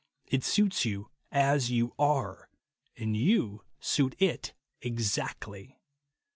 It suits yon as you are, and yon suit it exactly.